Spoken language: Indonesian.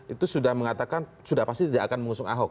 itu sudah mengatakan sudah pasti tidak akan mengusung ahok